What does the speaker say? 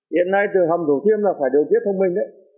hiện nay từ hồng thủ thiêm là phải điều tiết thông minh